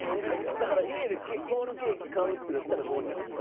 だから家でホールケーキ買うってなったらどうなるんですか？